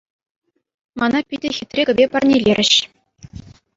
Мана питӗ хитре кӗпе парнелерӗҫ.